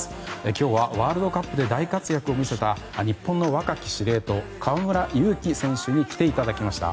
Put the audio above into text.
今日はワールドカップで大活躍を見せた日本の若き司令塔河村勇輝選手に来ていただきました。